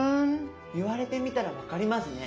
言われてみたら分かりますね。